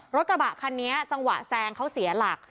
รถกระบะคันนี้จังหวะแซงเขาเสียหลัก